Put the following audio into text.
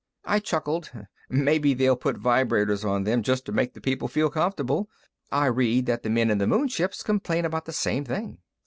I chuckled. "Maybe they'll put vibrators on them, just to make the people feel comfortable. I read that the men in the moon ships complain about the same thing."